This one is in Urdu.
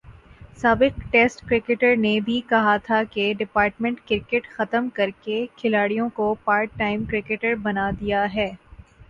سابق ٹیسٹ کرکٹر نے بھی کہا تھا کہ ڈپارٹمنٹ کرکٹ ختم کر کے کھلاڑیوں کو پارٹ ٹائم کرکٹر بنادیا ہے۔